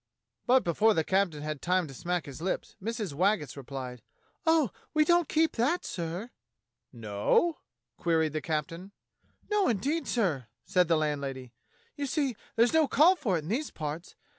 But before the captain had time to smack his lips Mrs. Waggetts replied: "Oh, we don't keep that, sir." "No?" queried the captain. "No, indeed, sir," said the landlady. "You see there's no call for it in these parts.